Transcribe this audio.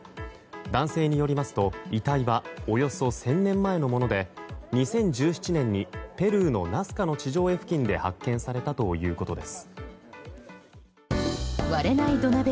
男性によりますと、遺体はおよそ１０００年前のもので２０１７年にペルーのナスカの地上絵付近で発見されたということです。